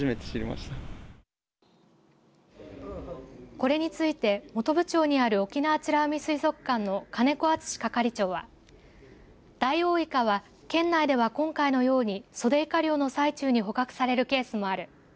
これについて、本部町による沖縄美ら海水族館の金子篤史係長はダイオウイカは県内では今回のようにソレイカ漁の最中に捕獲されるケースもある。